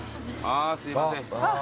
ああすいません。